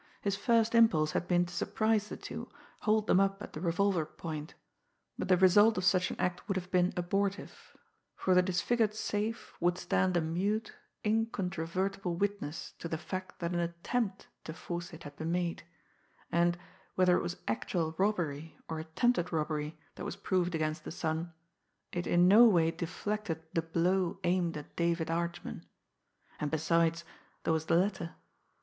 His first impulse had been to surprise the two, hold them up at the revolver point, but the result of such an act would have been abortive, for the disfigured safe would stand a mute, incontrovertible witness to the fact that an attempt to force it had been made and, whether it was actual robbery or attempted robbery that was proved against the son, it in no way deflected the blow aimed at David Archman. And, besides, there was the letter!